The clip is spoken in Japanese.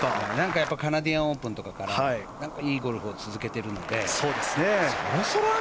カナディアンオープンとかいいゴルフを続けているのでね。